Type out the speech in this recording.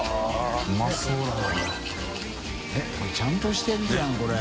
┐叩海ちゃんとしてるじゃんこれ。